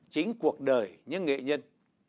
chính cuộc đời những nghệ nhân